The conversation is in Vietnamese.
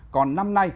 còn năm nay